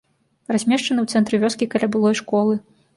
Размешчаны ў цэнтры вёскі каля былой школы.